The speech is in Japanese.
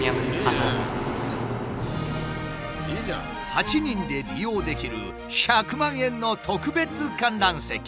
８人で利用できる１００万円の特別観覧席。